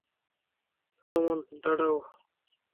Solomon, দাঁড়াও!